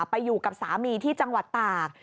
ไปอยู่กับสามีที่จังหวัดตาก